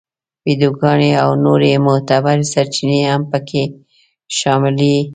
ویډیوګانې او نورې معتبرې سرچینې هم په کې شاملې وې.